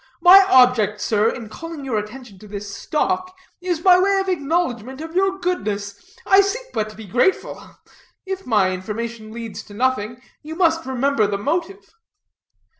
My object, sir, in calling your attention to this stock, is by way of acknowledgment of your goodness. I but seek to be grateful; if my information leads to nothing, you must remember the motive."